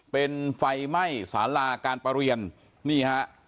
เป็นไฟไหม้สาลากาลเปรี้ยนนี่ฮะ